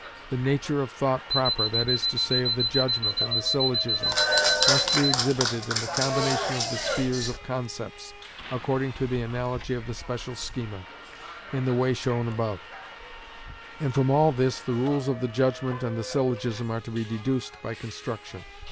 The nature of thought proper, that is to say, of the judgment and the syllogism, must be exhibited in the combination of the spheres of concepts, according to the analogy of the special schema, in the way shown above; and from all this the rules of the judgment and the syllogism are to be deduced by construction.